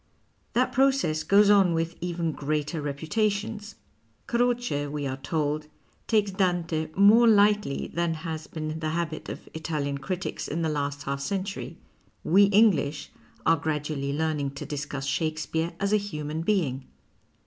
That process goes on with even greater reputations. Croce, we are told, takes Dante more lightly than has been the habit of Italian critics in the last half century. We English are gradually learning to discuss Shakespeare as a human being.